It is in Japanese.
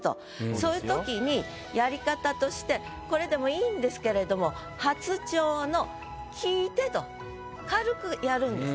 そういう時にやり方としてこれでも良いんですけれども「初蝶のきて」と軽くやるんです。